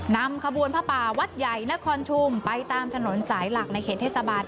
นำขบวนผ้าป่าวัดใหญ่นครชุมไปตามถนนสายหลักในเขตเทศบาล